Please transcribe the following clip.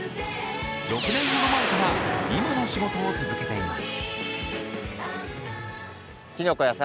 ６年ほど前から今の仕事を続けています。